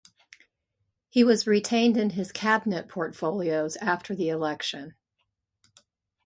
He was retained in his cabinet portfolios after the election.